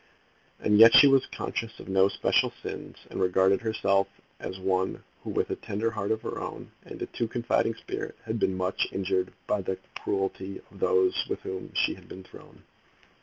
And yet she was conscious of no special sins, and regarded herself as one who with a tender heart of her own, and a too confiding spirit, had been much injured by the cruelty of those with whom she had been thrown.